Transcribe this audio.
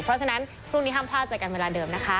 เพราะฉะนั้นพรุ่งนี้ห้ามพลาดเจอกันเวลาเดิมนะคะ